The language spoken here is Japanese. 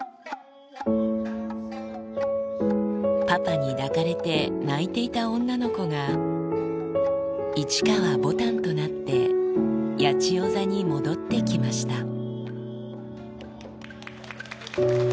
パパに抱かれて泣いていた女の子が、市川ぼたんとなって、八千代座に戻ってきました。